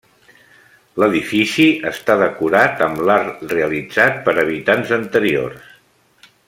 L'edifici està decorat amb l'art realitzat per habitants anteriors.